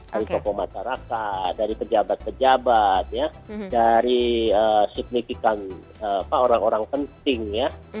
dari tokoh masyarakat dari pejabat pejabat dari signifikan orang orang penting ya